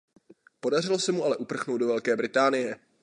Podařilo se mu ale uprchnout do Velké Británie.